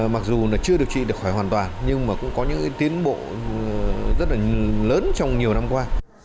mặc dù là chưa được trị được khỏi hoàn toàn nhưng mà cũng có những tiến bộ rất là lớn trong nhiều năm qua